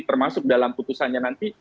termasuk dalam putusannya nanti